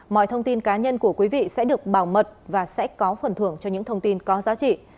mọi thông tin cá nhân của quý vị sẽ được bảo mật và sẽ có phần thưởng cho những thông tin có giá trị